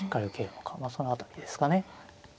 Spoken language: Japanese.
まあその辺りですかね。